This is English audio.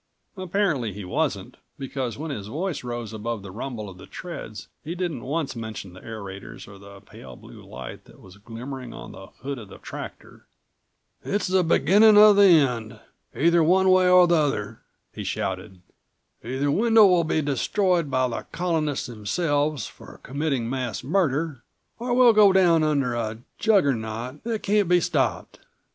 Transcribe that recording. Apparently he wasn't, because when his voice rose above the rumble of the treads he didn't once mention the aerators or the pale blue light that was glimmering on the hood of the tractor. "It's the beginning of the end either one way or the other," he shouted. "Either Wendel will be destroyed by the Colonists themselves for committing mass murder, or we'll go down under a juggernaut that can't be stopped.